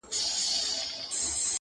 زه ستا په ځان كي يم ماته پيدا كړه.